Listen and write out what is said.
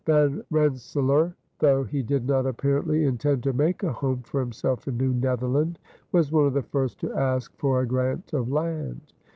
Van Rensselaer, though he did not apparently intend to make a home for himself in New Netherland, was one of the first to ask for a grant of land.